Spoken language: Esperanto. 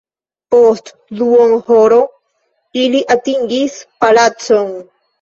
Post duonhoro ili atingis palacon.